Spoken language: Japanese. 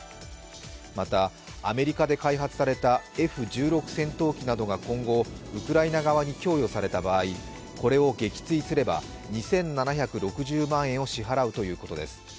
またアメリカで開発されたＦ１６戦闘機などが今後、ウクライナ側に供与された場合、これを撃墜すれば２７６０万円を支払うということです。